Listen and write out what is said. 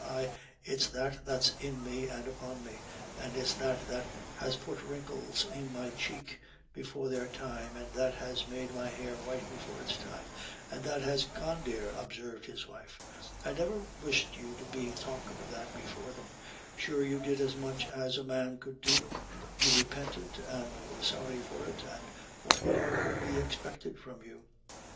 ay, it's that that's in me, an' upon me it's that that has put wrinkles in my cheek before their time, an' that has made my hair white before its time, and that has " "Con, dear," observed his wife, "I never wished you to be talkin' of that before them; sure you did as much as a man could do; you repented, an' were sorry for it, an' what more could be expected from you?"